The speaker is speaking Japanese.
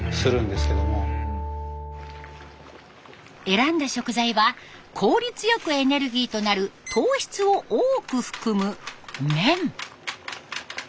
選んだ食材は効率よくエネルギーとなる糖質を多く含む麺。